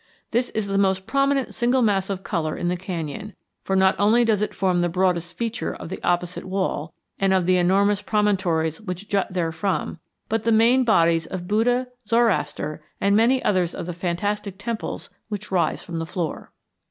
This is the most prominent single mass of color in the canyon, for not only does it form the broadest feature of the opposite wall and of the enormous promontories which jut therefrom, but the main bodies of Buddha, Zoroaster, and many others of the fantastic temples which rise from the floor.